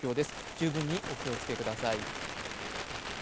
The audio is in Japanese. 十分にお気をつけください。